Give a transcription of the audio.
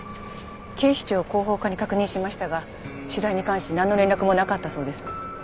警視庁広報課に確認しましたが取材に関しなんの連絡もなかったそうです。